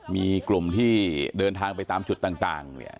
มีกลุ่มที่เดินทางไปตามจุดต่างเนี่ย